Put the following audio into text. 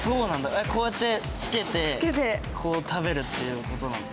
えっこうやってつけてこう食べるっていうことなんだ。